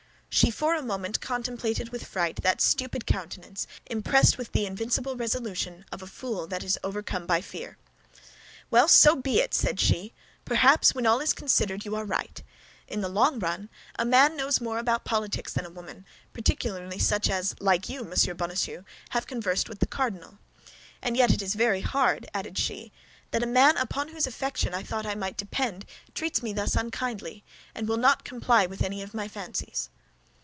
She for a moment contemplated with fright that stupid countenance, impressed with the invincible resolution of a fool that is overcome by fear. "Well, be it so!" said she. "Perhaps, when all is considered, you are right. In the long run, a man knows more about politics than a woman, particularly such as, like you, Monsieur Bonacieux, have conversed with the cardinal. And yet it is very hard," added she, "that a man upon whose affection I thought I might depend, treats me thus unkindly and will not comply with any of my fancies."